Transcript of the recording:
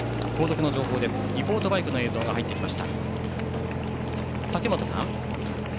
リポートバイクの映像が入ってきました。